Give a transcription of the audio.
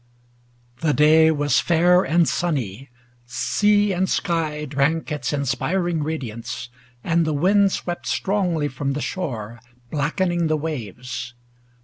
The day was fair and sunny ; sea and sky Drank its inspiring radiance, and the wind Swept strongly from the shore, blackening the waves.